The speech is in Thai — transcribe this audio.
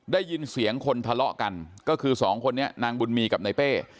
ได้ยินเสียงคนทะเลาะกันก็คือสองคนนี้นางบุญมีกับนายเป้